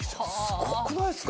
すごくないっすか？